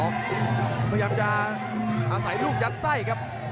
พยายามจะอาศัยลูกยัดไส้ครับ